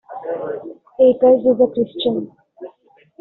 Akers is a Christian.